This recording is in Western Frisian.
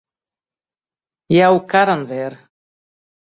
Jou karren wer.